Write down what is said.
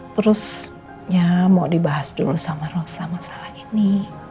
terus ya mau dibahas dulu sama roksa masalah ini